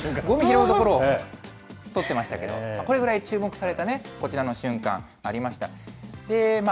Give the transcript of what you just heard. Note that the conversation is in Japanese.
向こうのカメラマンも、ごみ拾うところを撮ってましたけど、これぐらい注目されたこちらの瞬間ありました。